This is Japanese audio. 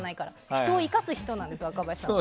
人を生かす人なんですよ若林さんは。